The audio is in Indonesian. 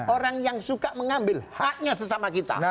orang yang suka mengambil haknya sesama kita